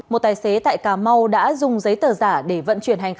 một tài xế tại cà mau đã dùng giấy tờ giả